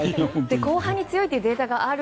後半に強いというデータがある。